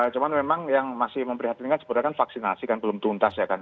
cuma memang yang masih memprihatinkan sebenarnya kan vaksinasi kan belum tuntas ya kan